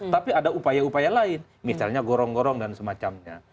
tapi ada upaya upaya lain misalnya gorong gorong dan semacamnya